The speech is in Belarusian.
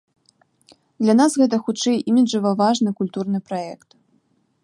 Для нас гэта хутчэй іміджава важны культурны праект.